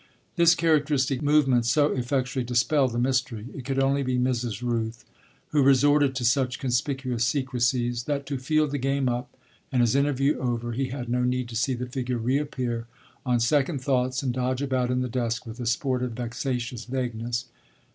This characteristic movement so effectually dispelled the mystery it could only be Mrs. Rooth who resorted to such conspicuous secrecies that, to feel the game up and his interview over, he had no need to see the figure reappear on second thoughts and dodge about in the dusk with a sportive, vexatious vagueness.